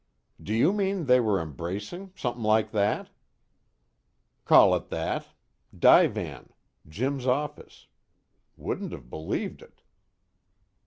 "Do you mean they were embracing, something like that?" "Call it that. Divan. Jim's office. Wouldn't've believed it."